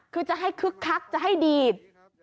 คือจะให้คึกคักจะให้ดีด